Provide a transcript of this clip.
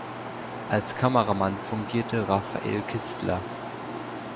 Als Kameramann fungierte Raphael Kistler.